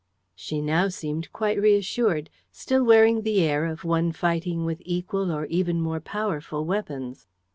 She now seemed quite reassured, still wearing the air of one fighting with equal or even more powerful weapons.